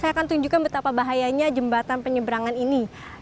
saya akan tunjukkan betapa bahayanya jembatan penyeberangan ini